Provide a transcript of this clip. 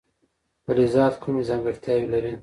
فلزات کومې ځانګړتیاوې لري.